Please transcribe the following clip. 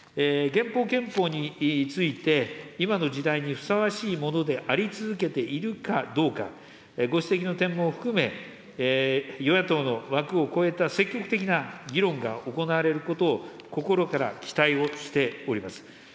現行憲法について、今の時代にふさわしいものであり続けているかどうか、ご指摘の点も含め、与野党の枠を超えた積極的な議論が行われることを、心から期待をしております。